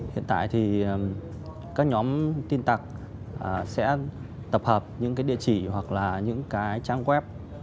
hiện tại thì các nhóm tin tạc sẽ tập hợp những địa chỉ hoặc là những trang web